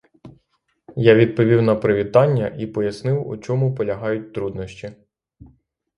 Я відповів на привітання і пояснив, у чому полягають труднощі.